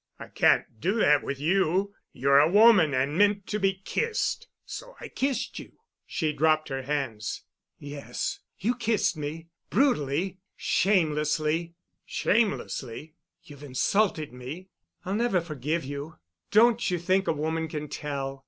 I can't do that with you. You're a woman and meant to be kissed. So I kissed you." She dropped her hands. "Yes, you kissed me, brutally, shamelessly——" "Shamelessly?" "You've insulted me. I'll never forgive you. Don't you think a woman can tell?